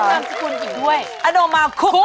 อันนมาคุ้บ